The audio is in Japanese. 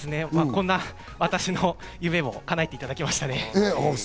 こんな私の夢もかなえていただきました。